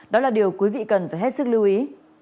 đó là điều quý vị cần phải hết sức lưu ý